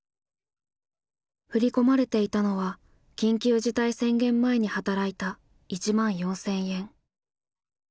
振り込まれていたのは緊急事態宣言前に働いた１万４，０００円。